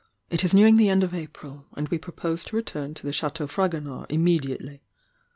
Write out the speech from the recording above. It is near ing the end of April, and we propose to return to the Chateau Fragonard immediately.